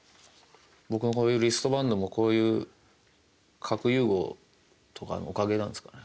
僕のリストバンドもこういう核融合とかのおかげなんですかね。